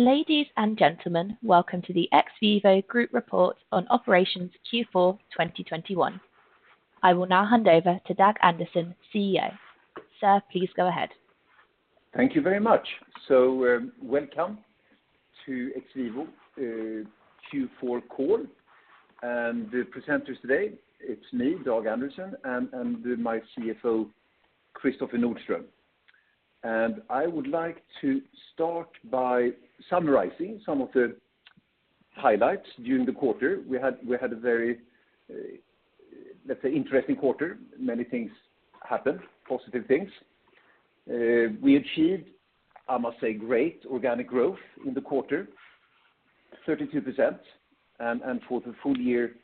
Ladies and gentlemen, welcome to the XVIVO Group Report on Operations Q4 2021. I will now hand over to Dag Andersson, CEO. Sir, please go ahead. Thank you very much. Welcome to XVIVO Q4 call. The presenters today, it's me, Dag Andersson, and my CFO, Kristoffer Nordström. I would like to start by summarizing some of the highlights during the quarter. We had a very, let's say, interesting quarter. Many things happened, positive things. We achieved, I must say, great organic growth in the quarter, 32%, and for the full year,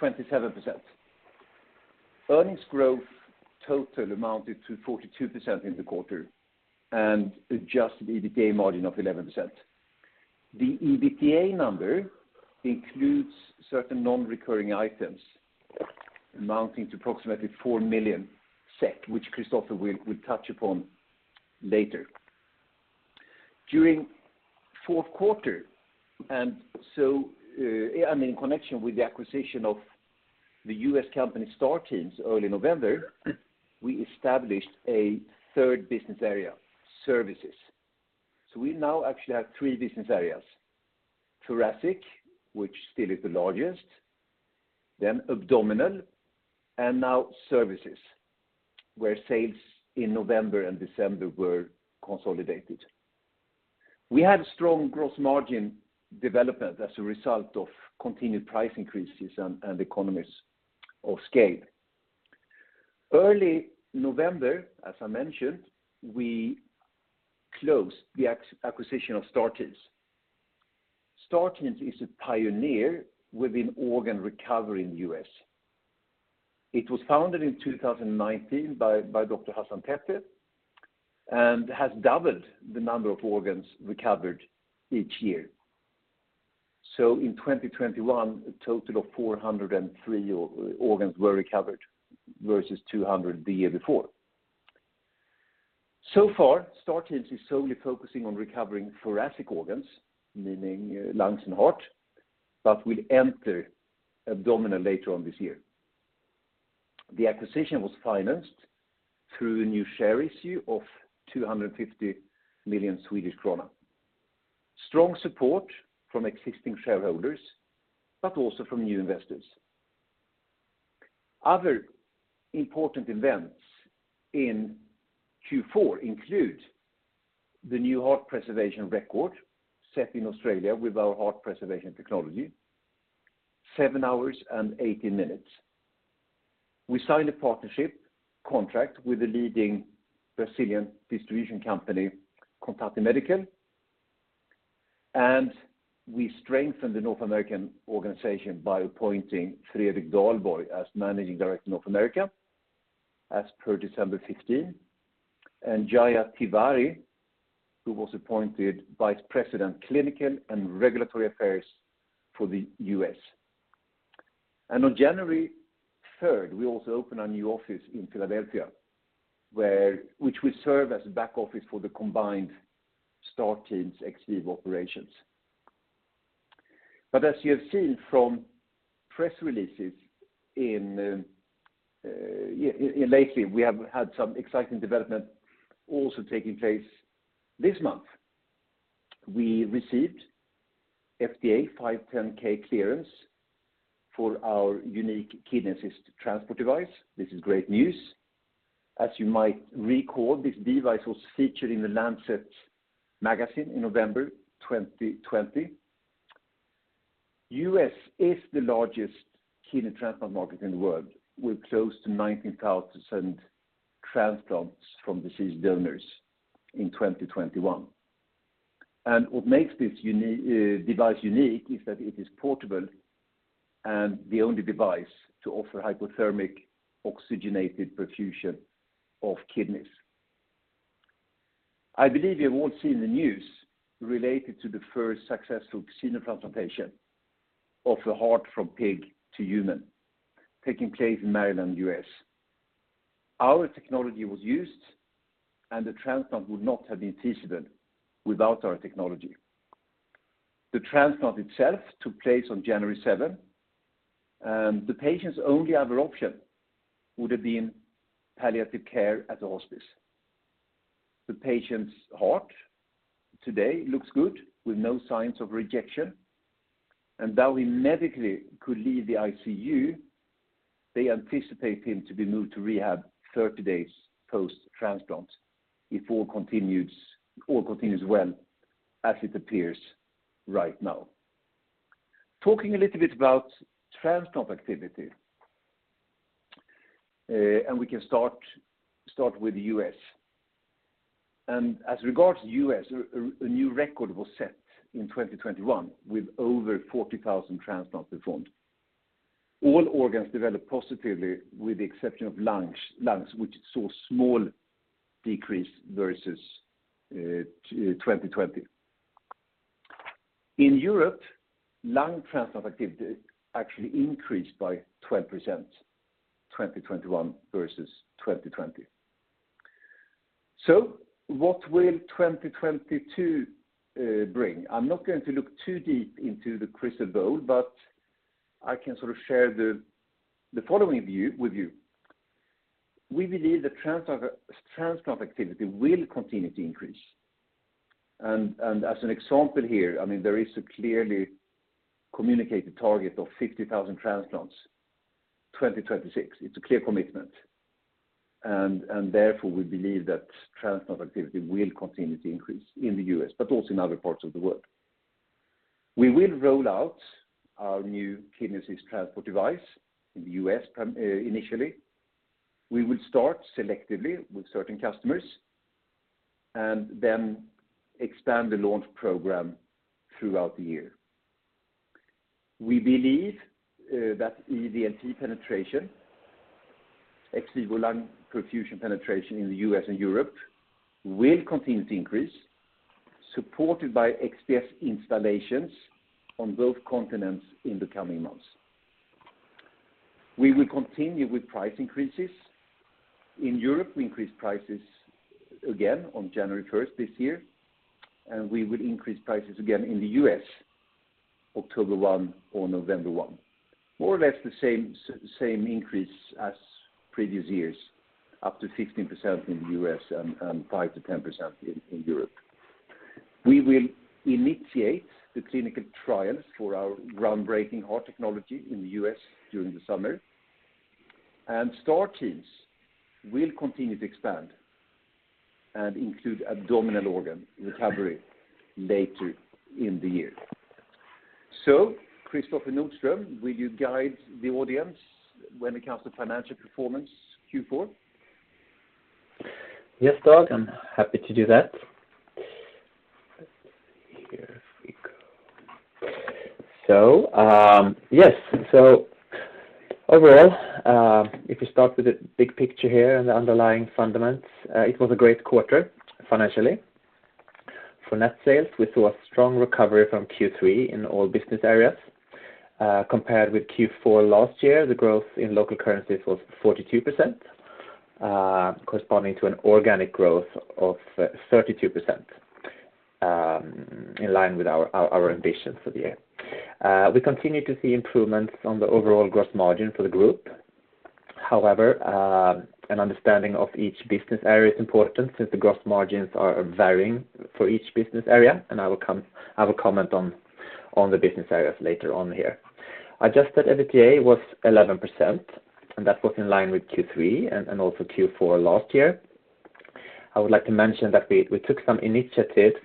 27%. Earnings growth total amounted to 42% in the quarter and adjusted EBITDA margin of 11%. The EBITDA number includes certain non-recurring items amounting to approximately 4 million, which Kristoffer will touch upon later. During fourth quarter, I mean, in connection with the acquisition of the U.S. company Star Teams early November, we established a third business area, Services. We now actually have three business areas, Thoracic, which still is the largest, then Abdominal, and now Services, where sales in November and December were consolidated. We had strong gross margin development as a result of continued price increases and economies of scale. In early November, as I mentioned, we closed the acquisition of Star Teams. Star Teams is a pioneer within organ recovery in the U.S. It was founded in 2019 by Dr. Hassan Tetteh and has doubled the number of organs recovered each year. In 2021, a total of 403 organs were recovered versus 200 the year before. So far, Star Teams is solely focusing on recovering thoracic organs, meaning lungs and heart, but will enter Abdominal later on this year. The acquisition was financed through a new share issue of 250 million Swedish krona. Strong support from existing shareholders, but also from new investors. Other important events in Q4 include the new heart preservation record set in Australia with our heart preservation technology, seven hours and 80 minutes. We signed a partnership contract with the leading Brazilian distribution company, Contatti Medical. We strengthened the North American organization by appointing Fredrik Dalborg as Managing Director, North America, as per December 15, and Jaya Tiwari, who was appointed Vice President, Clinical and Regulatory Affairs for the U.S. On January 3rd, we also opened a new office in Philadelphia, which will serve as a back office for the combined Star Teams/XVIVO operations. As you have seen from press releases lately, we have had some exciting development also taking place this month. We received FDA 510(k) clearance for our unique Kidney Assist Transport device. This is great news. As you might recall, this device was featured in The Lancet magazine in November 2020. U.S. is the largest kidney transplant market in the world, with close to 90,000 transplants from deceased donors in 2021. What makes this device unique is that it is portable and the only device to offer hypothermic oxygenated perfusion of kidneys. I believe you've all seen the news related to the first successful xenotransplantation of the heart from pig to human taking place in Maryland, U.S. Our technology was used, and the transplant would not have been feasible without our technology. The transplant itself took place on January 7th, and the patient's only other option would have been palliative care at the hospice. The patient's heart today looks good with no signs of rejection, and though he medically could leave the ICU, they anticipate him to be moved to rehab 30 days post-transplant if all continues well as it appears right now. Talking a little bit about transplant activity, we can start with the U.S. As regards to the U.S., a new record was set in 2021 with over 40,000 transplants performed. All organs developed positively with the exception of lungs, which saw small decrease versus 2020. In Europe, lung transplant activity actually increased by 12%, 2021 versus 2020. What will 2022 bring? I'm not going to look too deep into the crystal ball, but I can sort of share the following view with you. We believe the transplant activity will continue to increase. As an example here, I mean, there is a clearly communicated target of 50,000 transplants, 2026. It's a clear commitment. Therefore, we believe that transplant activity will continue to increase in the U.S., but also in other parts of the world. We will roll out our new Kidney Assist Transport device in the U.S. initially. We will start selectively with certain customers and then expand the launch program throughout the year. We believe that EVLP penetration, ex-vivo lung perfusion penetration in the U.S. and Europe will continue to increase, supported by XPS installations on both continents in the coming months. We will continue with price increases. In Europe, we increased prices again on January 1st this year, and we will increase prices again in the U.S., October 1 or November 1. More or less the same increase as previous years, up to 15% in the U.S. and 5%-10% in Europe. We will initiate the clinical trials for our groundbreaking heart technology in the U.S. during the summer. Star Teams will continue to expand and include abdominal organ recovery later in the year. Kristoffer Nordström, will you guide the audience when it comes to financial performance Q4? Yes, Dag. I'm happy to do that. Here we go. Overall, if you start with the big picture here and the underlying fundamentals, it was a great quarter financially. For net sales, we saw a strong recovery from Q3 in all business areas. Compared with Q4 last year, the growth in local currencies was 42%, corresponding to an organic growth of 32%, in line with our ambitions for the year. We continue to see improvements on the overall gross margin for the group. However, an understanding of each business area is important since the gross margins are varying for each business area, and I will comment on the business areas later on here. Adjusted EBITDA was 11%, and that was in line with Q3 and also Q4 last year. I would like to mention that we took some initiatives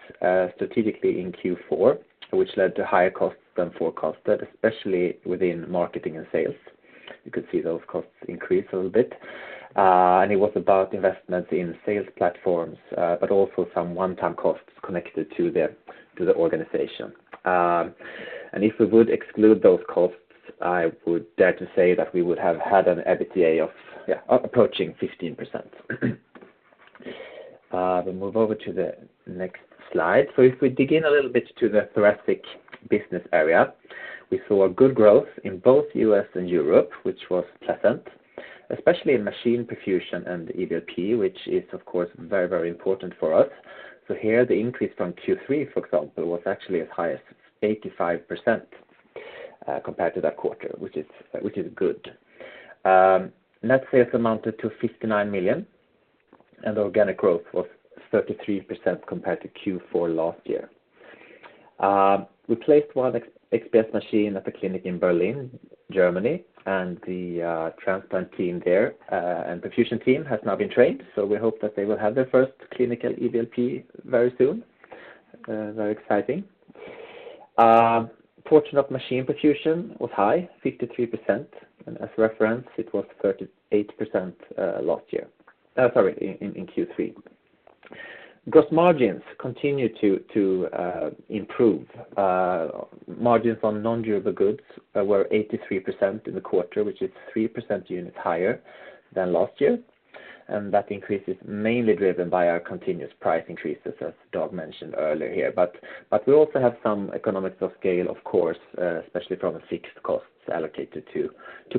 strategically in Q4, which led to higher costs than forecasted, especially within marketing and sales. You could see those costs increase a little bit. And it was about investment in sales platforms, but also some one-time costs connected to the organization. And if we would exclude those costs, I would dare to say that we would have had an EBITDA of approaching 15%. We move over to the next slide. If we dig in a little bit to the Thoracic business area, we saw good growth in both U.S. and Europe, which was pleasant, especially in machine perfusion and EVLP, which is of course very, very important for us. Here, the increase from Q3, for example, was actually as high as 85%, compared to that quarter, which is good. Net sales amounted to 59 million, and organic growth was 33% compared to Q4 last year. We placed one XPS machine at the clinic in Berlin, Germany, and the transplant team there and perfusion team has now been trained, so we hope that they will have their first clinical EVLP very soon. Very exciting. Portion of machine perfusion was high, 53%. As reference, it was 38% in Q3. Gross margins continue to improve. Margins on non-durable goods were 83% in the quarter, which is 3 percentage points higher than last year. That increase is mainly driven by our continuous price increases, as Dag mentioned earlier here. We also have some economies of scale, of course, especially from the fixed costs allocated to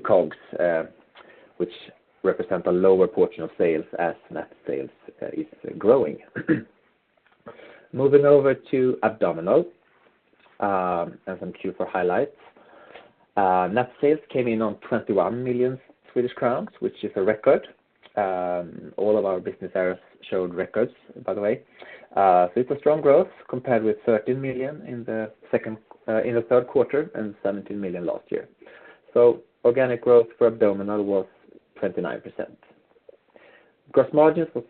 COGS, which represent a lower portion of sales as net sales is growing. Moving over to Abdominal and some Q4 highlights. Net sales came in at 21 million Swedish crowns, which is a record. All of our business areas showed records, by the way. It's a strong growth compared with 13 million in the third quarter and 17 million last year. Organic growth for Abdominal was 29%. Gross margins was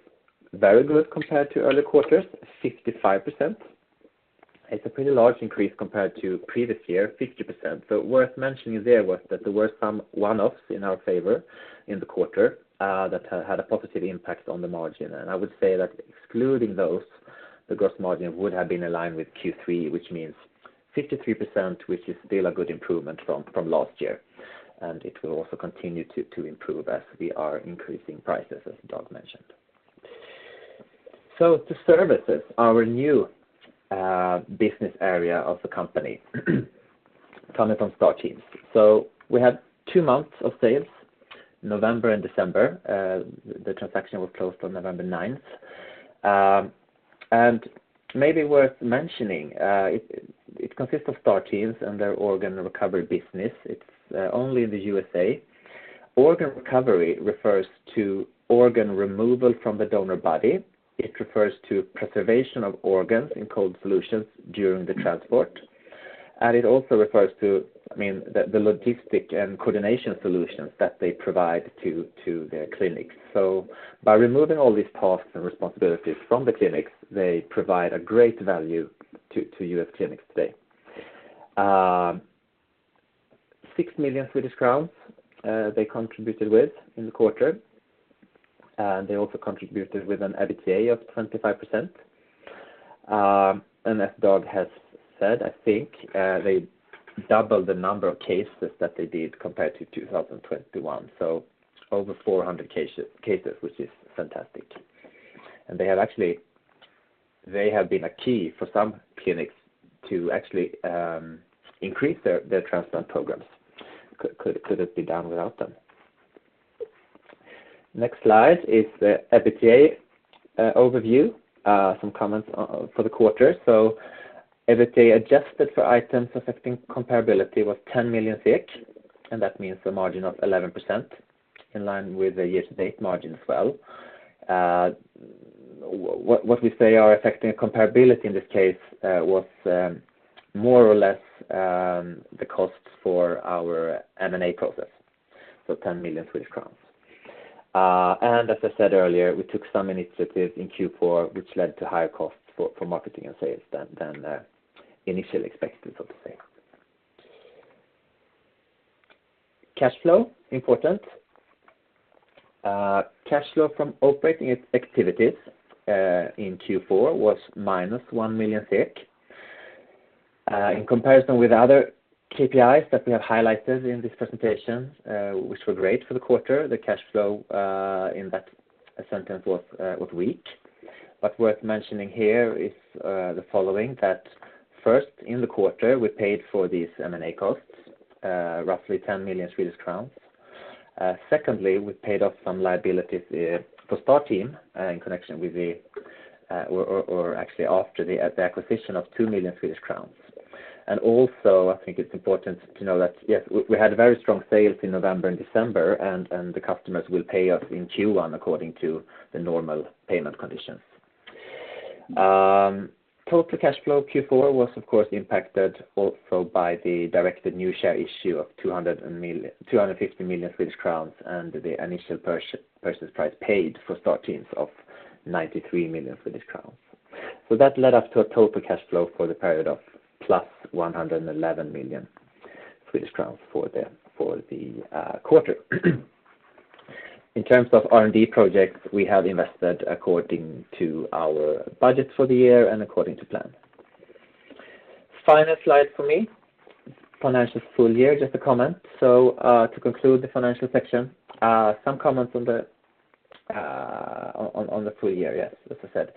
very good compared to earlier quarters, 55%. It's a pretty large increase compared to previous year, 50%. Worth mentioning there was that there were some one-offs in our favor in the quarter that had a positive impact on the margin. I would say that excluding those, the gross margin would have been in line with Q3, which means 53%, which is still a good improvement from last year. It will also continue to improve as we are increasing prices, as Dag mentioned. To Services, our new business area of the company coming from Star Teams. We have two months of sales, November and December. The transaction was closed on November 9th. Maybe worth mentioning, it consists of Star Teams and their organ recovery business. It's only in the U.S. Organ recovery refers to organ removal from the donor body. It refers to preservation of organs in cold solutions during the transport. It also refers to, I mean, the logistic and coordination solutions that they provide to their clinics. By removing all these tasks and responsibilities from the clinics, they provide a great value to U.S. clinics today. 6 million Swedish crowns they contributed with in the quarter. They also contributed with an EBITDA of 25%. As Dag has said, I think, they doubled the number of cases that they did compared to 2021, so over 400 cases, which is fantastic. They have actually been a key for some clinics to actually increase their transplant programs. Couldn't be done without them. Next slide is the EBITDA overview, some comments on for the quarter. EBITDA adjusted for items affecting comparability was 10 million, and that means a margin of 11% in line with the year-to-date margin as well. What we say are affecting comparability in this case was more or less the costs for our M&A process, 10 million Swedish crowns. As I said earlier, we took some initiatives in Q4 which led to higher costs for marketing and sales than initial expectations, so to say. Cash flow, important. Cash flow from operating activities in Q4 was -1 million. In comparison with other KPIs that we have highlighted in this presentation, which were great for the quarter, the cash flow in that sentence was weak. Worth mentioning here is the following, that first, in the quarter, we paid for these M&A costs roughly 10 million Swedish crowns. Secondly, we paid off some liabilities for Star Teams in connection with or actually after the acquisition of 2 million Swedish crowns. Also, I think it's important to know that, yes, we had very strong sales in November and December and the customers will pay us in Q1 according to the normal payment conditions. Total cash flow Q4 was of course impacted also by the directed new share issue of 250 million Swedish crowns and the initial purchase price paid for Star Teams of 93 million Swedish crowns. That led up to a total cash flow for the period of +111 million Swedish crowns for the quarter. In terms of R&D projects, we have invested according to our budgets for the year and according to plan. Final slide for me. Financial full year, just a comment. To conclude the financial section, some comments on the full year, yes, as I said.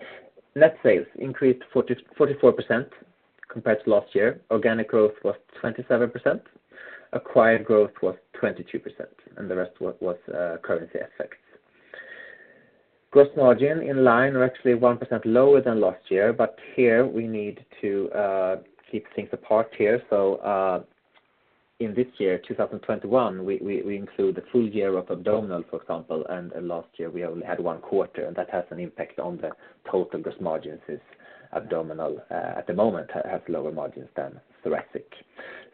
Net sales increased 44% compared to last year. Organic growth was 27%. Acquired growth was 22%, and the rest was currency effects. Gross margin in line are actually 1% lower than last year, but here we need to keep things apart here. In this year, 2021, we include the full year of Abdominal, for example, and last year we only had one quarter and that has an impact on the total gross margins as Abdominal, at the moment has lower margins than Thoracic.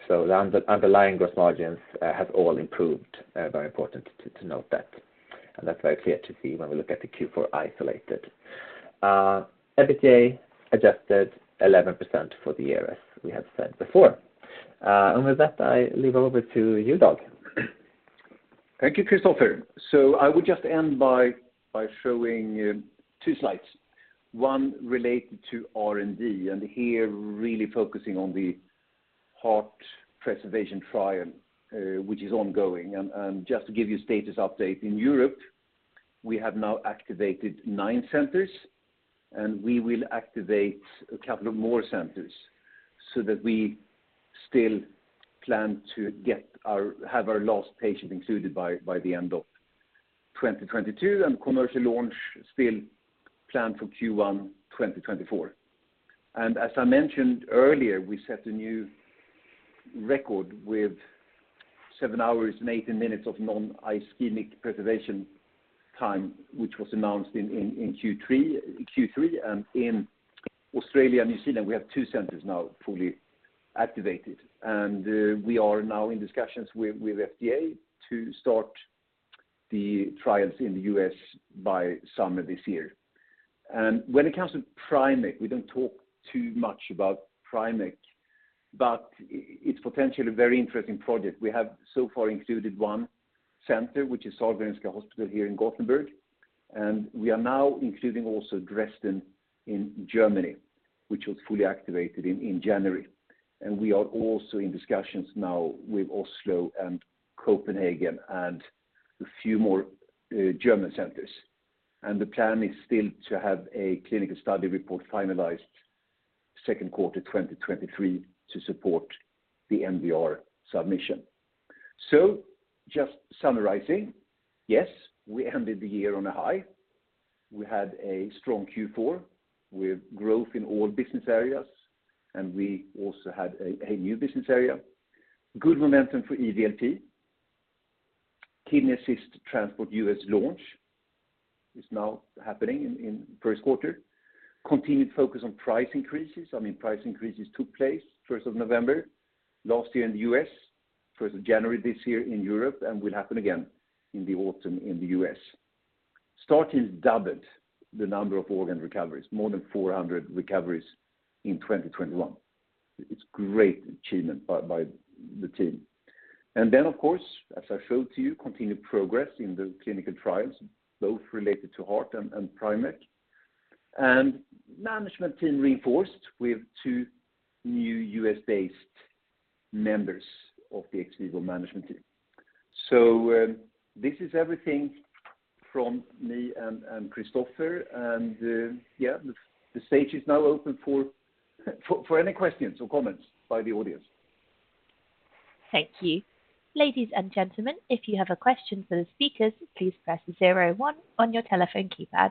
The underlying gross margins have all improved. Very important to note that. That's very clear to see when we look at the Q4 isolated. EBITDA adjusted 11% for the year, as we have said before. With that, I leave it over to you, Dag. Thank you, Kristoffer. I would just end by showing two slides. One related to R&D, and here really focusing on the heart preservation trial, which is ongoing. Just to give you status update, in Europe, we have now activated nine centers and we will activate a couple of more centers so that we still plan to have our last patient included by the end of 2022 and commercial launch still planned for Q1 2024. As I mentioned earlier, we set a new record with seven hours and 18 minutes of non-ischemic preservation time, which was announced in Q3. In Australia and New Zealand, we have two centers now fully activated. We are now in discussions with FDA to start the trials in the U.S. by summer this year. When it comes to PrimECC, we don't talk too much about PrimECC, but it's potentially a very interesting project. We have so far included one center, which is Sahlgrenska Hospital here in Gothenburg, and we are now including also Dresden in Germany, which was fully activated in January. We are also in discussions now with Oslo and Copenhagen and a few more German centers. The plan is still to have a clinical study report finalized Q2 2023 to support the MDR submission. Just summarizing. Yes, we ended the year on a high. We had a strong Q4 with growth in all business areas, and we also had a new business area. Good momentum for EVLP. Kidney Assist Transport U.S. launch is now happening in first quarter. Continued focus on price increases. I mean, price increases took place 1st of November last year in the U.S., 1st of January this year in Europe, and will happen again in the autumn in the U.S. Star Teams has doubled the number of organ recoveries, more than 400 recoveries in 2021. It's great achievement by the team. Then, of course, as I showed to you, continued progress in the clinical trials, both related to heart and PrimECC. Management team reinforced with two new U.S.-based members of the XVIVO management team. So, this is everything from me and Kristoffer. The stage is now open for any questions or comments by the audience. Thank you. Ladies and gentlemen, if you have a question for the speakers, please press 01 on your telephone keypad.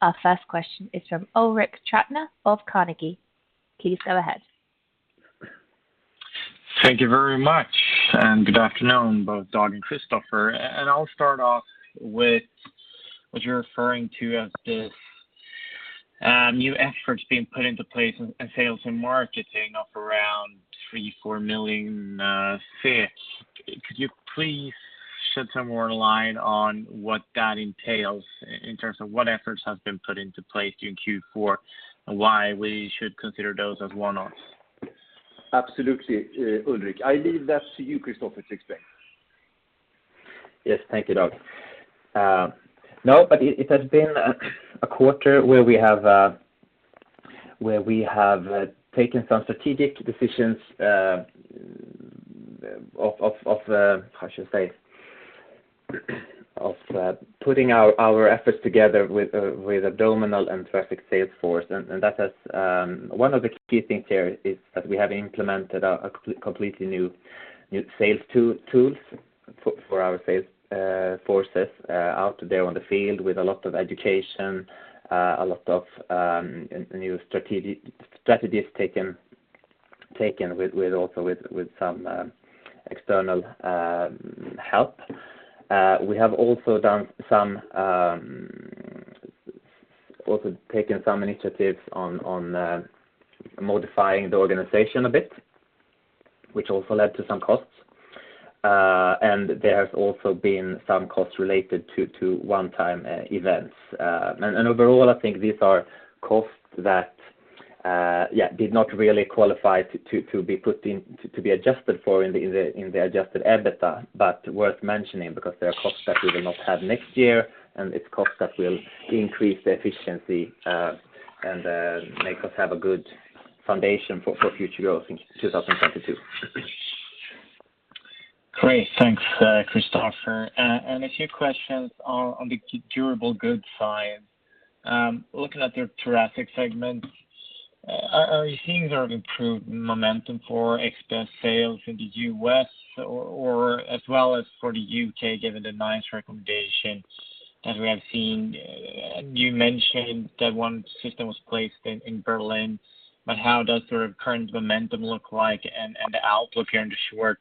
Our first question is from Ulrik Trattner of Carnegie. Please go ahead. Thank you very much, and good afternoon, both Dag and Kristoffer. And I'll start off with what you're referring to as this new efforts being put into place in sales and marketing of around 3 million-4 million. Could you please shed some more light on what that entails in terms of what efforts have been put into place during Q4, and why we should consider those as one-offs? Absolutely, Ulrik. I leave that to you, Kristoffer, to explain. Yes, thank you, Dag. No, but it has been a quarter where we have taken some strategic decisions of how should I say, of putting our efforts together with Abdominal and Thoracic sales force. That has one of the key things here is that we have implemented a completely new sales tools for our sales forces out there in the field with a lot of education, a lot of new strategies taken with also with some external help. We have also taken some initiatives on modifying the organization a bit, which also led to some costs. There has also been some costs related to one-time events. Overall, I think these are costs that did not really qualify to be adjusted for in the adjusted EBITDA, but worth mentioning because they are costs that we will not have next year, and these costs will increase the efficiency and make us have a good foundation for future growth in 2022. Great. Thanks, Kristoffer. A few questions on the durable goods side. Looking at the Thoracic segment, are you seeing sort of improved momentum for XPS sales in the U.S. or as well as for the U.K., given the NICE recommendation that we have seen? You mentioned that one system was placed in Berlin, but how does the current momentum look like and the outlook here in the short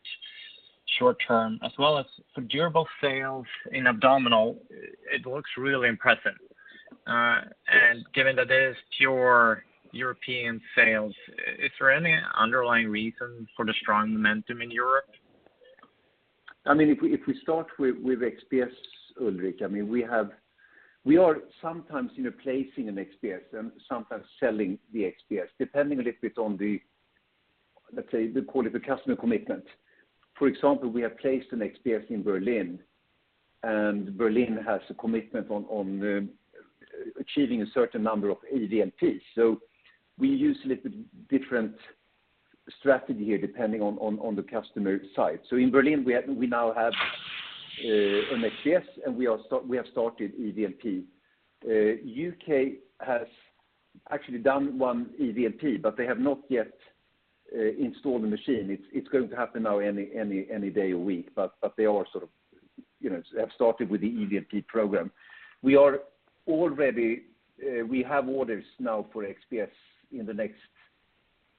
term? As well as for durable sales in Abdominal, it looks really impressive. Yes. Given that it is pure European sales, is there any underlying reason for the strong momentum in Europe? I mean, if we start with XPS, Ulrik, I mean, we are sometimes, you know, placing an XPS and sometimes selling the XPS, depending a little bit on the, let's say, we call it the customer commitment. For example, we have placed an XPS in Berlin, and Berlin has a commitment on achieving a certain number of EVLPs. We use a little different strategy here, depending on the customer side. In Berlin, we now have an XPS, and we have started EVLP. U.K. has actually done one EVLP, but they have not yet installed the machine. It's going to happen now any day a week. They are sort of, you know, have started with the EVLP program. We are already we have orders now for XPS in the next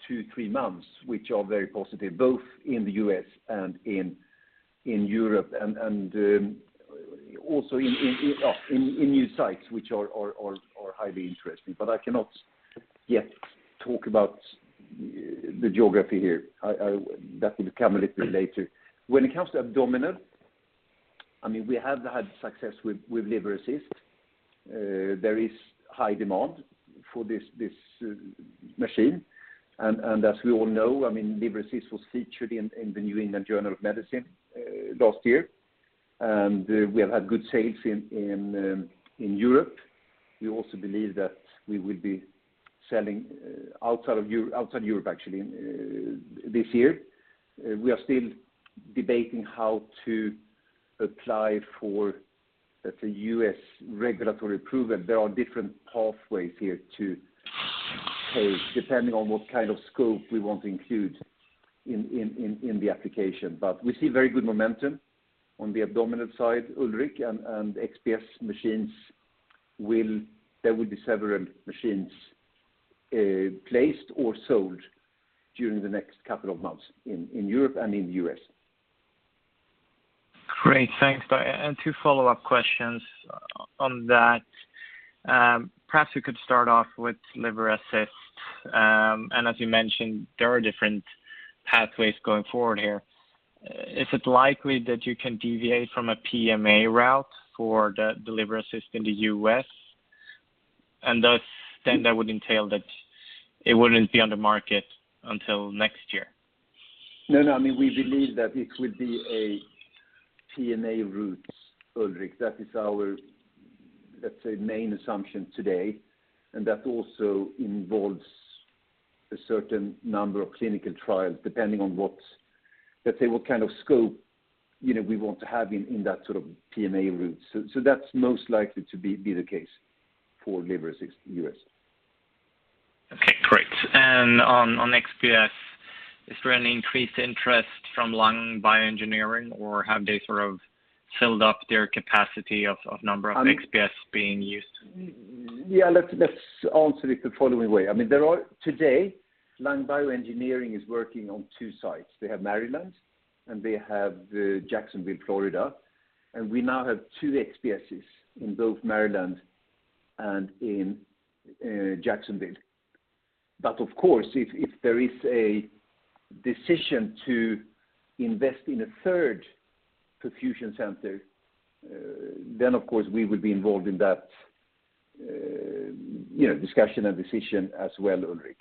two, three months, which are very positive, both in the U.S. and in Europe and also in new sites, which are highly interesting. I cannot yet talk about the geography here. That will come a little later. When it comes to Abdominal, I mean, we have had success with Liver Assist. There is high demand for this machine. As we all know, I mean, Liver Assist was featured in the New England Journal of Medicine last year. We have had good sales in Europe. We also believe that we will be selling outside of Europe actually this year. We are still debating how to apply for, let's say, U.S. regulatory approval. There are different pathways here to take depending on what kind of scope we want to include in the application. We see very good momentum on the Abdominal side, Ulrik, and XPS machines there will be several machines placed or sold during the next couple of months in Europe and in the U.S. Great. Thanks. Two follow-up questions on that. Perhaps we could start off with Liver Assist. As you mentioned, there are different pathways going forward here. Is it likely that you can deviate from a PMA route for the Liver Assist in the U.S.? Thus then that would entail that it wouldn't be on the market until next year. No, no. I mean, we believe that it will be a PMA route, Ulrik. That is our, let's say, main assumption today, and that also involves a certain number of clinical trials depending on what's. Let's say, what kind of scope, you know, we want to have in that sort of PMA route. So that's most likely to be the case for Liver Assist in the U.S. Okay, great. On XPS, is there any increased interest from Lung Bioengineering, or have they sort of filled up their capacity of number of XPS being used? Yeah, let's answer it the following way. I mean, there are today, Lung Bioengineering is working on two sites. They have Maryland, and they have Jacksonville, Florida. We now have two XPSs in both Maryland and in Jacksonville. But of course, if there is a decision to invest in a third perfusion center, then of course we will be involved in that, you know, discussion and decision as well, Ulrik,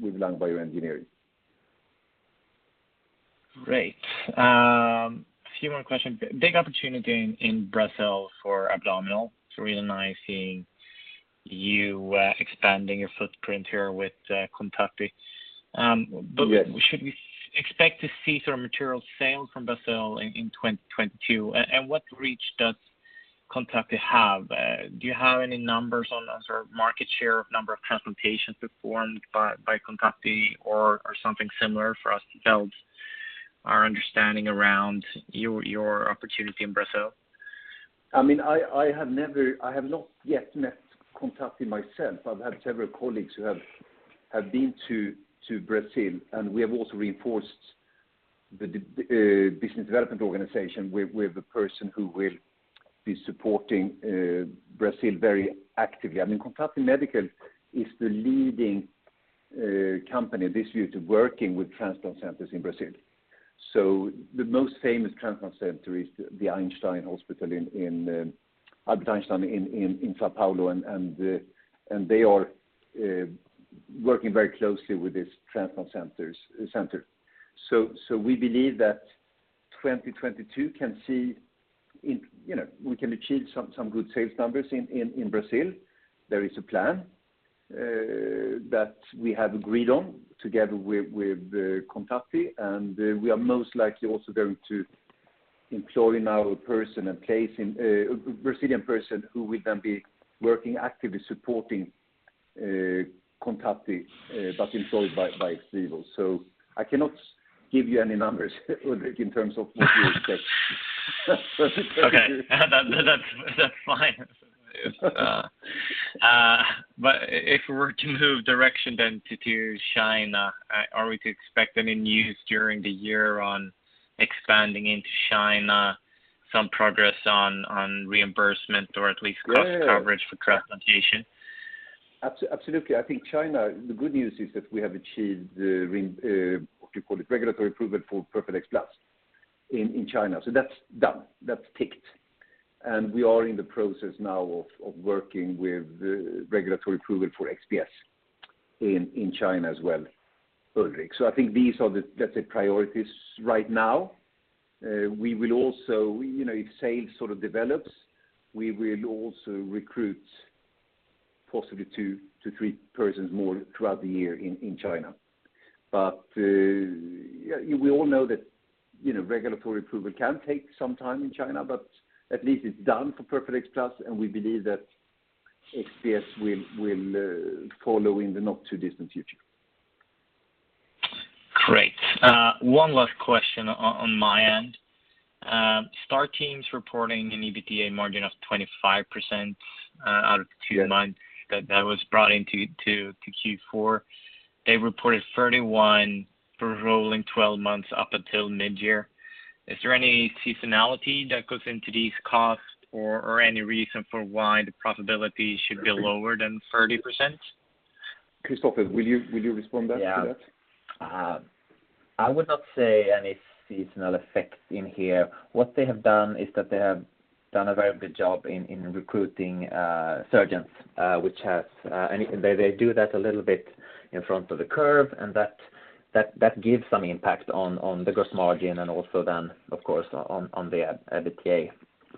with Lung Bioengineering. Great. A few more questions. Big opportunity in Brazil for Abdominal. It's really nice seeing you expanding your footprint here with Contatti. Yes. Should we expect to see sort of material sales from Brazil in 2022? What reach does Contatti have? Do you have any numbers on the sort of market share of number of transplantations performed by Contatti or something similar for us to build our understanding around your opportunity in Brazil? I mean, I have not yet met Contatti myself. I've had several colleagues who have been to Brazil, and we have also reinforced the business development organization with a person who will be supporting Brazil very actively. I mean, Contatti Medical is the leading company this year in working with transplant centers in Brazil. The most famous transplant center is the Albert Einstein Israelite Hospital in São Paulo, and they are working very closely with these transplant centers. We believe that 2022 can see. We can achieve some good sales numbers in Brazil. There is a plan that we have agreed on together with Contatti, and we are most likely also going to employ now a person based in Brazil, a Brazilian person who will then be working actively supporting Contatti, but employed by XVIVO. I cannot give you any numbers, Ulrik, in terms of what to expect. Okay. That's fine. If we were to move direction then to China, are we to expect any news during the year on expanding into China, some progress on reimbursement or at least— Yeah, yeah. — cost coverage for transplantation? Absolutely. I think China, the good news is that we have achieved regulatory approval for PERFADEX Plus in China. So that's done. That's ticked. We are in the process now of working with regulatory approval for XPS in China as well, Ulrik. So I think these are the, let's say, priorities right now. We will also. You know, if sales sort of develops, we will also recruit possibly two to three persons more throughout the year in China. But, yeah, we all know that, you know, regulatory approval can take some time in China, but at least it's done for PERFADEX Plus, and we believe that XPS will follow in the not-too-distant future. Great. One last question on my end. Star Teams' reporting an EBITDA margin of 25% out of Q3— Yes. — that was brought into Q4. They reported 31% for rolling 12 months up until midyear. Is there any seasonality that goes into these costs or any reason for why the profitability should be lower than 30%? Kristoffer, will you respond that, to that? Yeah. I would not say any seasonal effect in here. What they have done is that they have done a very good job in recruiting surgeons, which has and they do that a little bit ahead of the curve, and that gives some impact on the gross margin and also then of course on the EBITDA.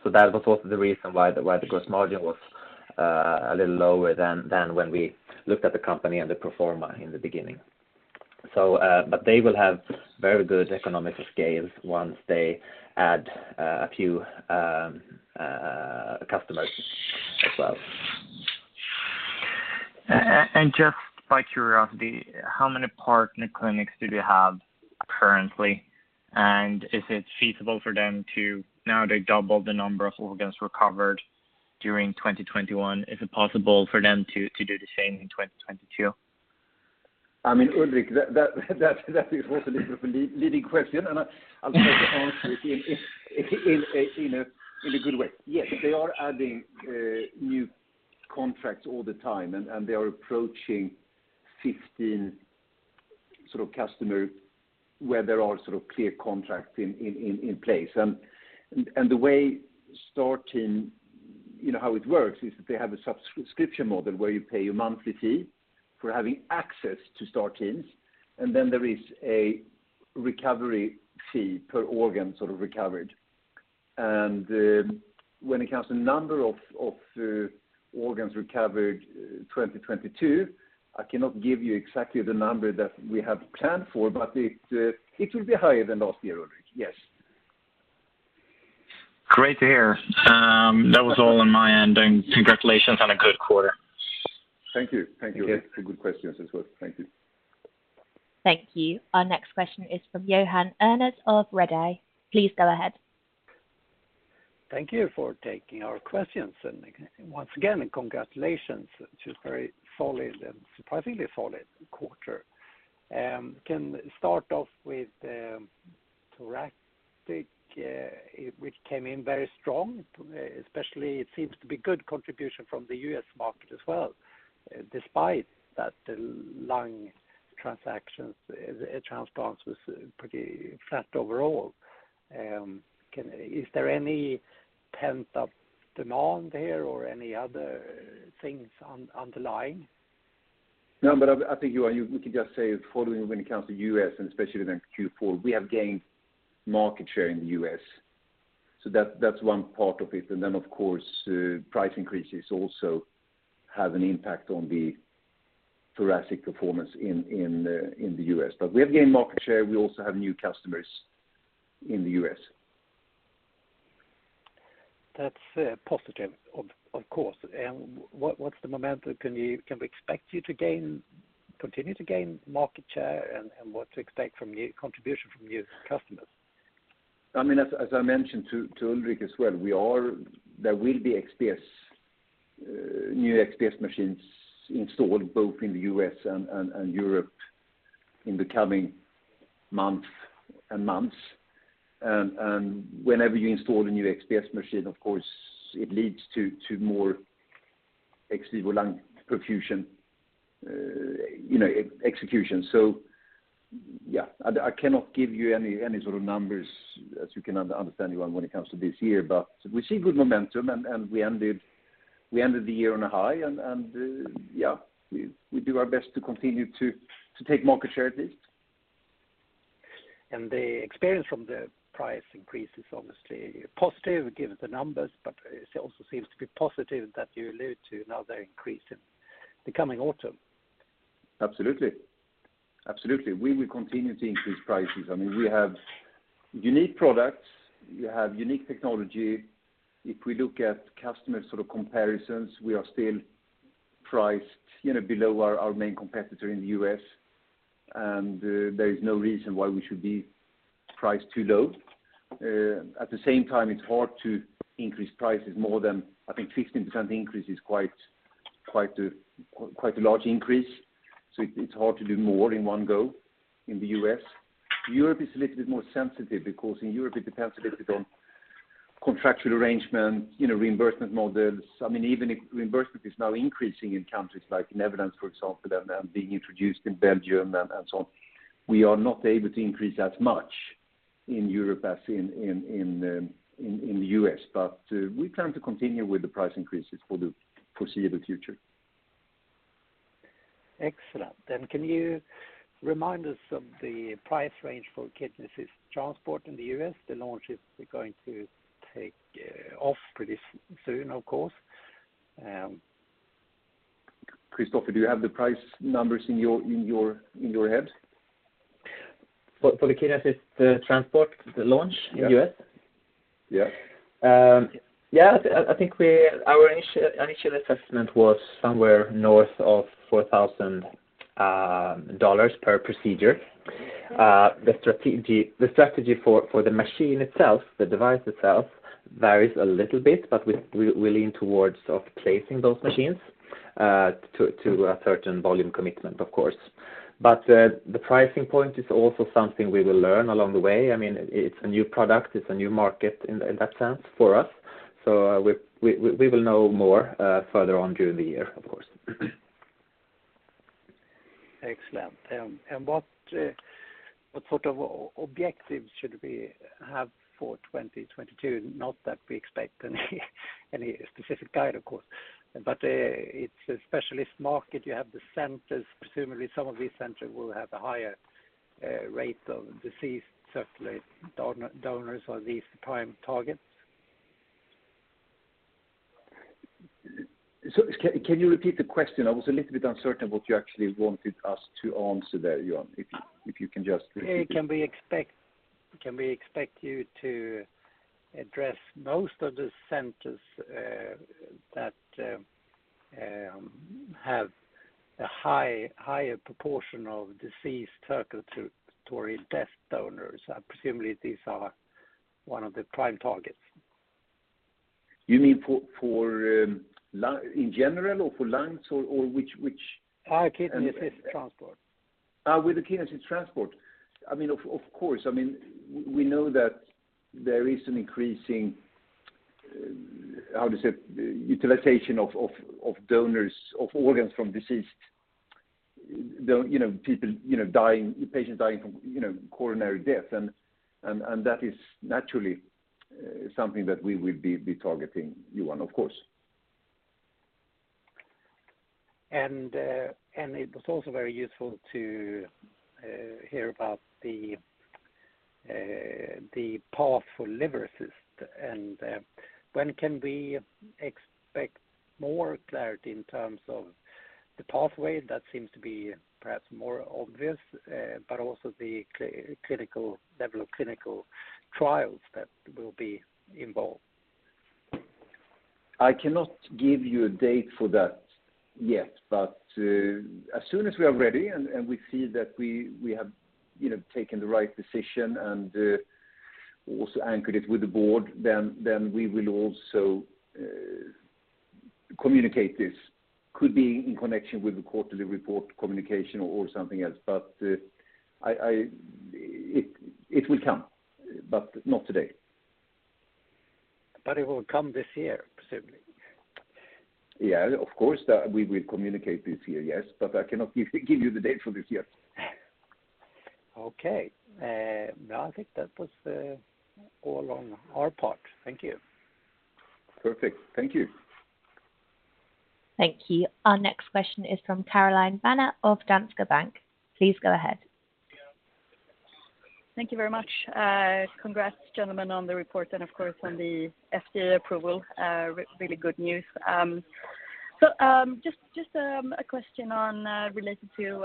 That was also the reason why the gross margin was a little lower than when we looked at the company and the pro forma in the beginning. But they will have very good economies of scale once they add a few customers as well. Just by curiosity, how many partner clinics do they have currently? Is it feasible for them, now that they doubled the number of organs recovered during 2021, to do the same in 2022? I mean, Ulrik, that is also a little bit of a leading question, and I'll try to answer it in a good way. Yes, they are adding new contracts all the time and they are approaching 15 sort of customers where there are sort of clear contracts in place. The way Star Teams, you know, how it works is that they have a subscription model where you pay your monthly fee for having access to Star Teams, and then there is a recovery fee per organ sort of recovered. When it comes to number of organs recovered 2022, I cannot give you exactly the number that we have planned for, but it will be higher than last year, Ulrik. Yes. Great to hear. That was all on my end. Congratulations on a good quarter. Thank you. Thank you, Ulrik, for good questions as well. Thank you. Thank you. Our next question is from Johan Unnerus of Redeye. Please go ahead. Thank you for taking our questions. Once again, congratulations to a very solid and surprisingly solid quarter. Can start off with Thoracic, which came in very strong, especially it seems to be good contribution from the U.S. market as well, despite that the lung transactions, transplants was pretty flat overall. Is there any pent-up demand there or any other things underlying? No, but I think you can just say following when it comes to U.S. and especially then Q4, we have gained market share in the U.S. That's one part of it. Then of course, price increases also have an impact on the Thoracic performance in the U.S. We have gained market share, we also have new customers in the U.S. That's positive, of course. What's the momentum? Can we expect you to continue to gain market share and what to expect from new contribution from new customers? I mean, as I mentioned to Ulrik as well, there will be new XPS machines installed both in the U.S. and Europe in the coming months. Whenever you install a new XPS machine, of course, it leads to more ex vivo lung perfusion executions. Yeah, I cannot give you any sort of numbers as you can understand when it comes to this year. But we see good momentum and we ended the year on a high and yeah, we do our best to continue to take market share at least. The experience from the price increase is obviously positive given the numbers, but it also seems to be positive that you allude to another increase in the coming autumn. Absolutely. We will continue to increase prices. I mean, we have unique products. We have unique technology. If we look at customer sort of comparisons, we are still priced, you know, below our main competitor in the U.S., and there is no reason why we should be priced too low. At the same time, it's hard to increase prices more than I think 16% increase is quite a large increase. So, it's hard to do more in one go in the U.S. Europe is a little bit more sensitive because in Europe it depends a little bit on contractual arrangement, you know, reimbursement models. I mean, even if reimbursement is now increasing in countries like the Netherlands, for example, and being introduced in Belgium and so on, we are not able to increase as much in Europe as in the U.S. We plan to continue with the price increases for the foreseeable future. Excellent. Can you remind us of the price range for Kidney Assist Transport in the U.S.? The launch is going to take off pretty soon, of course. Kristoffer, do you have the price numbers in your head? For the Kidney Assist Transport, the launch in U.S.? Yeah. I think our initial assessment was somewhere north of $4,000 per procedure. The strategy for the machine itself, the device itself varies a little bit, but we lean towards placing those machines to a certain volume commitment of course. But the pricing point is also something we will learn along the way. I mean, it's a new product, it's a new market in that sense for us. So, we will know more further on during the year of course. Excellent. What sort of objectives should we have for 2022? Not that we expect any specific guidance, of course, but it's a specialist market. You have the centers. Presumably some of these centers will have a higher rate of deceased circulatory donors. Are these the prime targets? Can you repeat the question? I was a little bit uncertain what you actually wanted us to answer there, Johan. If you can just repeat it. Can we expect you to address most of the centers that have a higher proportion of deceased circulatory death donors? Presumably these are one of the prime targets. You mean for in general or for lungs or which? Kidney Assist Transport. With the Kidney Assist Transport, I mean, of course. I mean, we know that there is an increasing, how to say, utilization of donors, of organs from deceased. You know, people dying, patients dying from coronary death. That is naturally something that we will be targeting, Johan, of course. It was also very useful to hear about the path for Liver Assist. When can we expect more clarity in terms of the pathway that seems to be perhaps more obvious, but also the clinical level of clinical trials that will be involved? I cannot give you a date for that yet, but as soon as we are ready and we see that we have, you know, taken the right decision and also anchored it with the board, then we will also communicate this. Could be in connection with the quarterly report communication or something else. It will come, but not today. It will come this year, presumably. Yeah, of course, that we will communicate this year, yes. I cannot give you the date for this year. Okay. No, I think that was all on our part. Thank you. Perfect. Thank you. Thank you. Our next question is from Caroline Banér of Danske Bank. Please go ahead. Thank you very much. Congrats, gentlemen, on the report and of course, on the FDA approval. Really good news. Just a question related to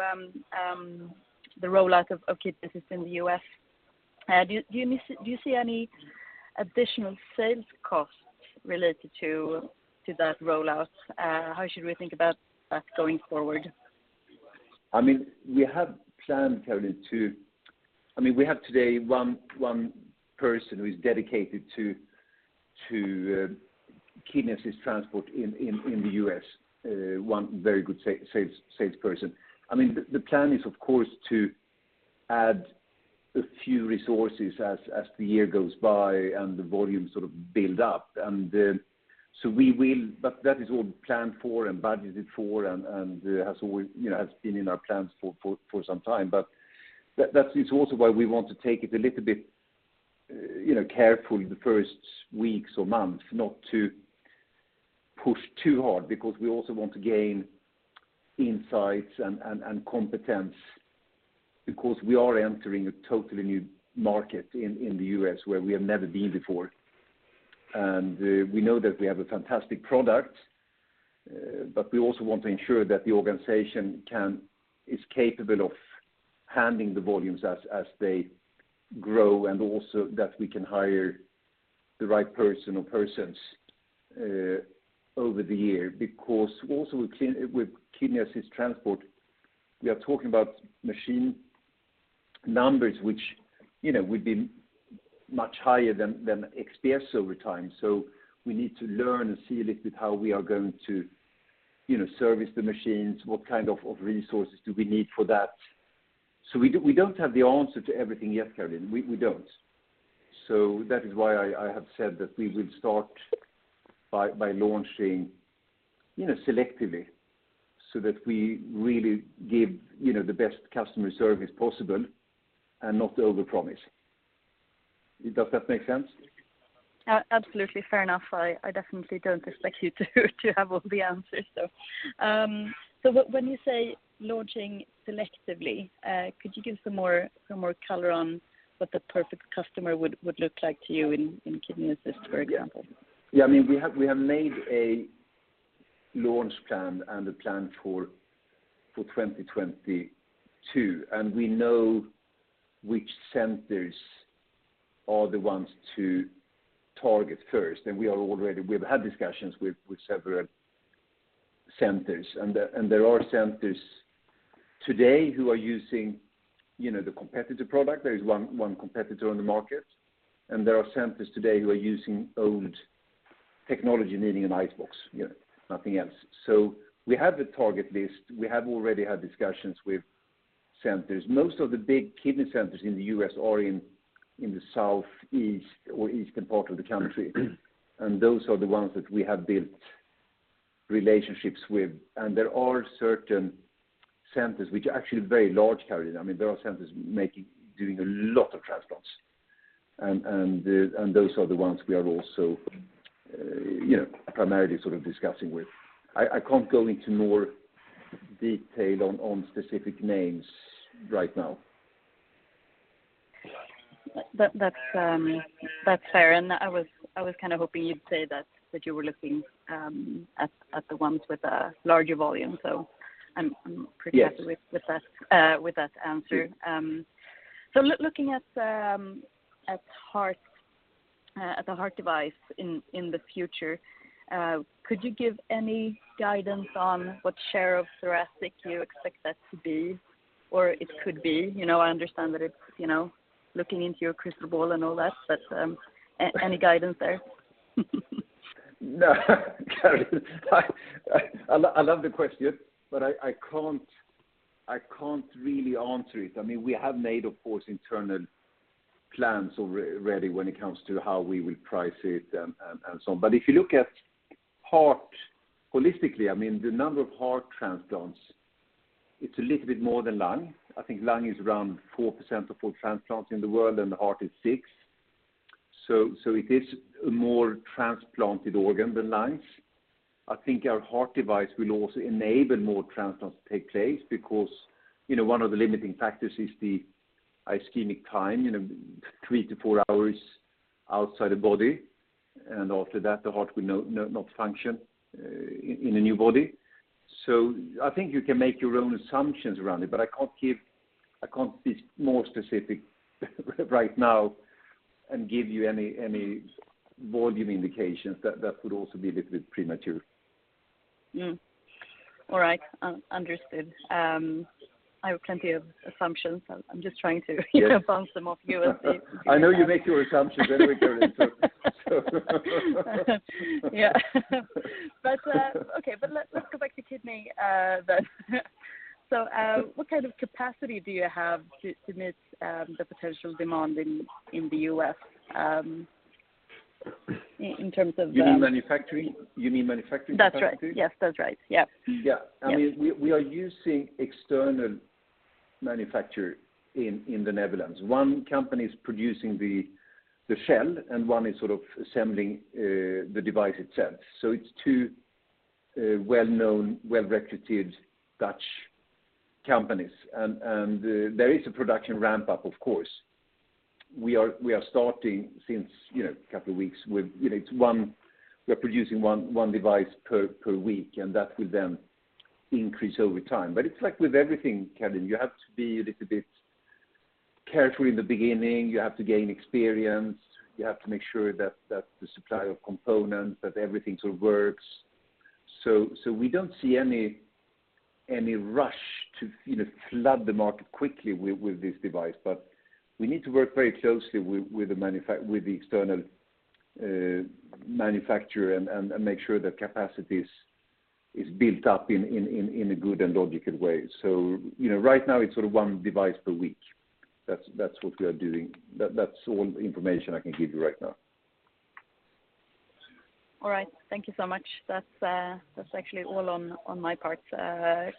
the rollout of Kidney Assist in the U.S. Do you see any additional sales costs related to that rollout? How should we think about that going forward? I mean, we have today one person who is dedicated to Kidney Assist Transport in the U.S., one very good salesperson. I mean, the plan is of course to add a few resources as the year goes by and the volume sort of build-up. That is all planned for and budgeted for and has always, you know, has been in our plans for some time. That is also why we want to take it a little bit, you know, careful in the first weeks or months not to push too hard because we also want to gain insights and competence because we are entering a totally new market in the U.S. where we have never been before. We know that we have a fantastic product, but we also want to ensure that the organization is capable of handling the volumes as they grow and also that we can hire the right person or persons over the year. Because also with Kidney Assist Transport, we are talking about machine numbers which, you know, would be much higher than XPS over time. We need to learn and see a little bit how we are going to, you know, service the machines, what kind of resources do we need for that. We don't have the answer to everything yet, Caroline. We don't. That is why I have said that we will start by launching, you know, selectively so that we really give, you know, the best customer service possible and not overpromise. Does that make sense? Absolutely. Fair enough. I definitely don't expect you to have all the answers, so. When you say launching selectively, could you give some more color on what the perfect customer would look like to you in Kidney Assist, for example? I mean, we have made a launch plan and a plan for 2022, and we know which centers are the ones to target first. We are already. We've had discussions with several centers, and there are centers today who are using, you know, the competitor product. There is one competitor on the market, and there are centers today who are using old technology, needing an ice box, you know, nothing else. We have the target list. We have already had discussions with centers. Most of the big kidney centers in the U.S. are in the south, east, or eastern part of the country. Those are the ones that we have built relationships with. There are certain centers which are actually very large, Caroline. I mean, there are centers doing a lot of transplants. Those are the ones we are also, you know, primarily sort of discussing with. I can't go into more detail on specific names right now. That's fair. I was kind of hoping you'd say that you were looking at the ones with the larger volume. I'm— Yes. — pretty happy with that answer. Looking at the heart device in the future, could you give any guidance on what share of Thoracic you expect that to be or it could be? You know, I understand that it's, you know, looking into your crystal ball and all that, but any guidance there? Caroline, I love the question, but I can't really answer it. I mean, we have made, of course, internal plans already when it comes to how we will price it and so on. If you look at heart holistically, I mean, the number of heart transplants, it's a little bit more than lung. I think lung is around 4% of all transplants in the world, and the heart is 6%. It is a more transplanted organ than lungs. I think our heart device will also enable more transplants to take place because, you know, one of the limiting factors is the ischemic time, you know, three to four hours outside the body, and after that, the heart will not function in a new body. I think you can make your own assumptions around it, but I can't be more specific right now and give you any volume indications. That would also be a little bit premature. All right. Understood. I have plenty of assumptions. I'm just trying to you know— Yes. — bounce them off you and see. I know you make your assumptions anyway, Caroline, so. Okay. Let's go back to kidney, then. What kind of capacity do you have to meet the potential demand in the U.S. in terms of the— You mean manufacturing? You mean manufacturing capacity? That's right. Yes, that's right. Yep. Yeah. Yep. I mean, we are using external manufacturer in the Netherlands. One company is producing the shell, and one is sort of assembling the device itself. It's two well-known, well-reputed Dutch companies. There is a production ramp-up, of course. We are starting since, you know, a couple of weeks with, you know, we are producing one device per week, and that will then increase over time. It's like with everything, Caroline. You have to be a little bit careful in the beginning. You have to make sure that the supply of components, that everything sort of works. We don't see any rush to, you know, flood the market quickly with this device. We need to work very closely with the external manufacturer and make sure that capacity is built up in a good and logical way. You know, right now it's sort of one device per week. That's all information I can give you right now. All right. Thank you so much. That's actually all on my part.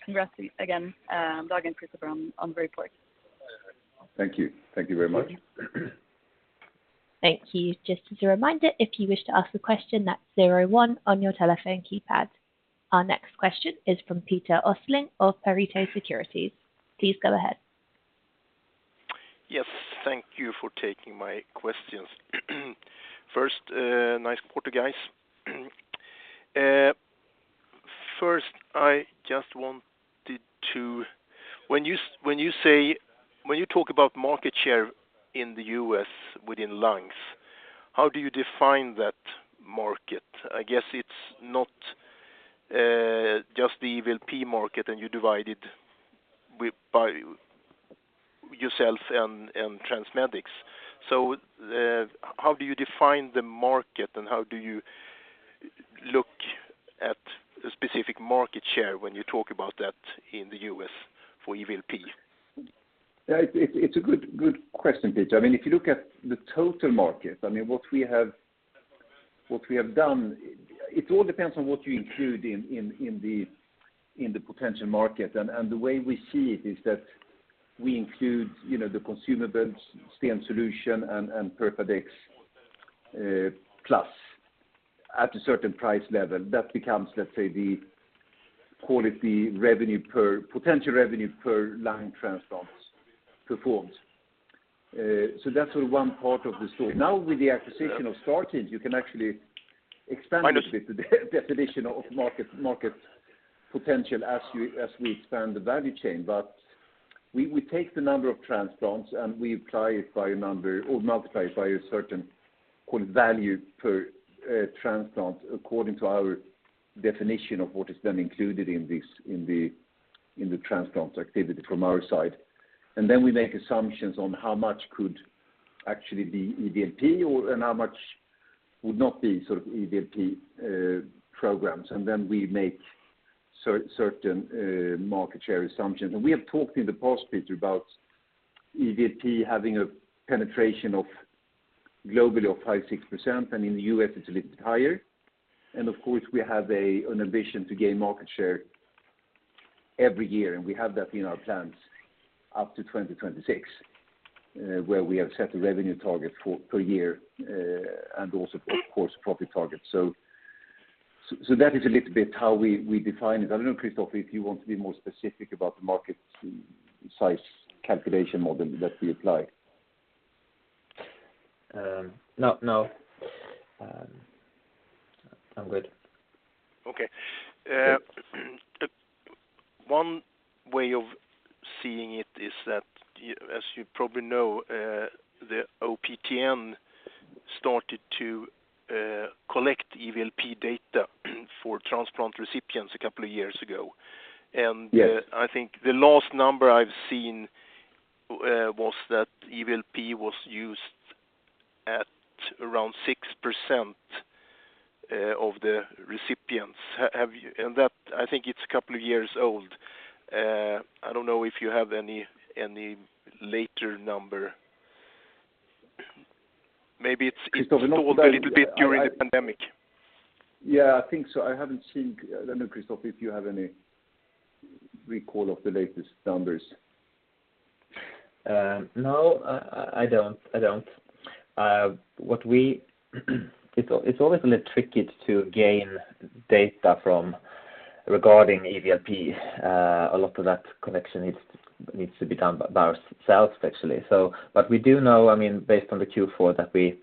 Congrats again, Dag and Kristoffer on the report. Thank you. Thank you very much. Thank you. Just as a reminder, if you wish to ask a question, that's zero one on your telephone keypad. Our next question is from Peter Östling of Pareto Securities. Please go ahead. Yes, thank you for taking my questions. First, nice quarter, guys. First, I just wanted to. When you talk about market share in the U.S. within lungs, how do you define that market? I guess it's not just the EVLP market, and you divide it by yourself and TransMedics. How do you define the market, and how do you look at a specific market share when you talk about that in the U.S. for EVLP? It's a good question, Peter. I mean, if you look at the total market, I mean, what we have done, it all depends on what you include in the potential market. The way we see it is that we include, you know, the consumables, STEEN Solution and PERFADEX Plus at a certain price level. That becomes, let's say, the potential revenue per lung transplants performed. So that's one part of the story. Now, with the acquisition of Star Teams, you can actually expand— Minus. — a bit the definition of market potential as we expand the value chain. We take the number of transplants, and we apply it by a number or multiply it by a certain, call it, value per transplant according to our definition of what is then included in this, in the transplant activity from our side. We make assumptions on how much could actually be EVLP or and how much would not be sort of EVLP programs, and we make certain market share assumptions. We have talked in the past, Peter, about EVLP having a penetration globally of 5%-6%, and in the U.S. it's a little bit higher. Of course, we have an ambition to gain market share every year, and we have that in our plans up to 2026, where we have set the revenue targets for per year, and also of course, profit targets. That is a little bit how we define it. I don't know, Kristoffer, if you want to be more specific about the market size calculation model that we apply. No, no. I'm good. Okay. One way of seeing it is that as you probably know, the OPTN started to collect EVLP data for transplant recipients a couple of years ago. Yes. I think the last number I've seen was that EVLP was used at around 6% of the recipients. That, I think it's a couple of years old. I don't know if you have any later number. Maybe it's— Kristoffer, no— — moved a little bit during the pandemic. Yeah, I think so. I haven't seen, I don't know, Kristoffer, if you have any recall of the latest numbers. No, I don't. It's always a little tricky to gain data from regarding EVLP. A lot of that connection needs to be done by ourselves, actually. We do know, I mean, based on the Q4, that we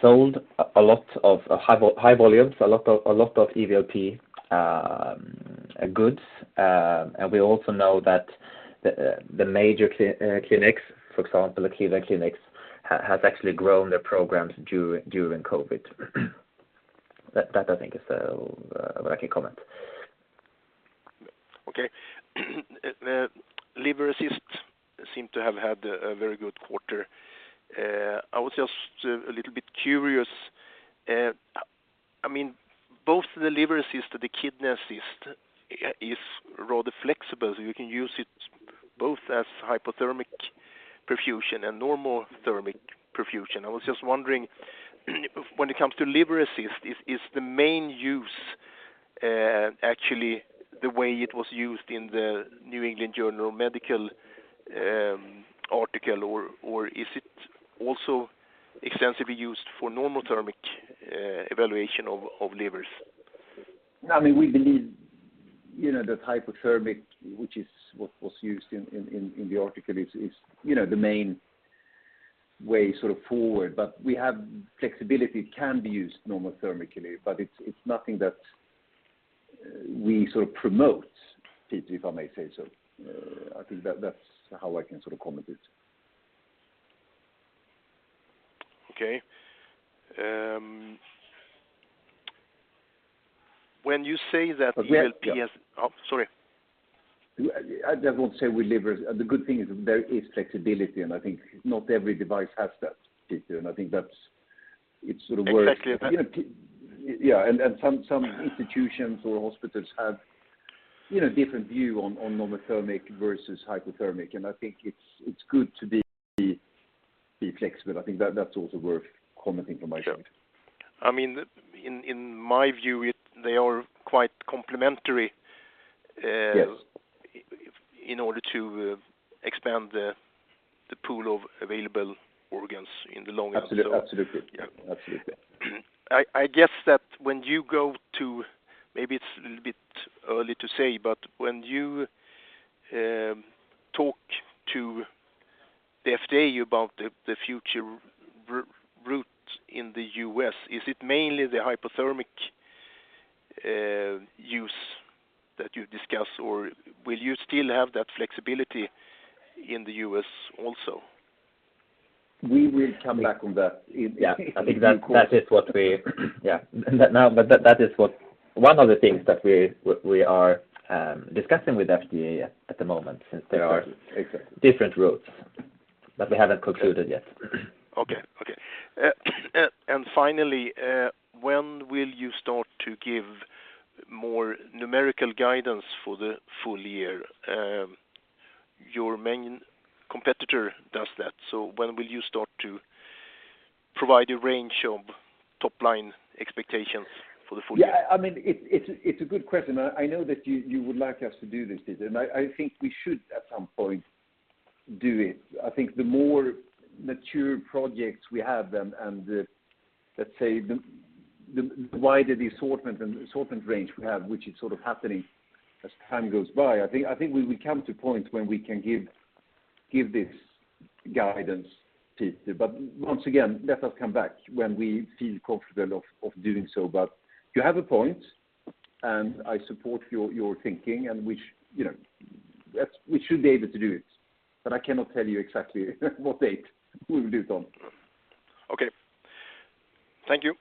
sold a lot of high volumes, a lot of EVLP goods. We also know that the major clinics, for example, the Cleveland Clinic, has actually grown their programs during COVID. That I think is all what I can comment. Okay. Liver Assist seem to have had a very good quarter. I was just a little bit curious. I mean, both the Liver Assist and the Kidney Assist is rather flexible, so you can use it both as hypothermic perfusion and normothermic perfusion. I was just wondering, when it comes to Liver Assist, is the main use actually the way it was used in the New England Journal of Medicine article, or is it also extensively used for normothermic evaluation of livers? I mean, we believe, you know, that hypothermic, which is what was used in the article, is, you know, the main way sort of forward. We have flexibility. It can be used normothermically, but it's nothing that we sort of promote, Peter, if I may say so. I think that's how I can sort of comment it. Okay. When you say that— Yes, yes. Oh, sorry. I won't say with livers. The good thing is there is flexibility, and I think not every device has that, Peter. I think that's, it sort of works— Exactly. Yeah, and some institutions or hospitals have, you know, different view on normothermic versus hypothermic, and I think it's good to be flexible. I think that's also worth commenting from my side. Sure. I mean, in my view, they are quite complementary. Yes. In order to expand the pool of available organs in the long run. Absolutely. Yeah. Absolutely. I guess that maybe it's a little bit early to say, but when you talk to the FDA about the future route in the U.S., is it mainly the hypothermic use that you discuss, or will you still have that flexibility in the U.S. also? We will come back on that. I think that is one of the things that we are discussing with FDA at the moment since there are— Exactly. — different routes. We haven't concluded yet. Okay. Finally, when will you start to give more numerical guidance for the full year? Your main competitor does that. When will you start to provide a range of top line expectations for the full year? Yeah. I mean, it's a good question. I know that you would like us to do this, Peter. I think we should at some point do it. I think the more mature projects we have and the wider the assortment and assortment range we have, which is sort of happening as time goes by, I think we will come to a point when we can give this guidance, Peter. Once again, let us come back when we feel confident of doing so. You have a point, and I support your thinking and wish, you know, that we should be able to do it. I cannot tell you exactly what date we will do it on. Okay. Thank you.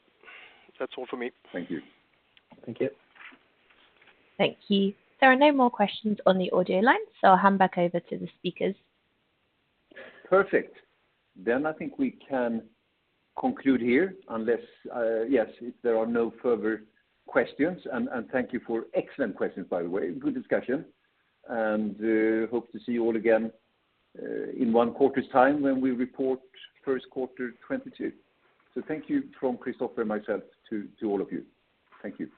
That's all for me. Thank you. Thank you. Thank you. There are no more questions on the audio line, so I'll hand back over to the speakers. Perfect. I think we can conclude here unless yes, if there are no further questions. Thank you for excellent questions, by the way. Good discussion. Hope to see you all again in one quarter's time when we report first quarter 2022. Thank you from Kristoffer and myself to all of you. Thank you.